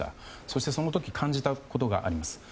そしてその時感じたことがあります。